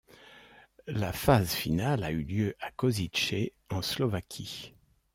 La phase finale a eu lieu à Košice en Slovaquie.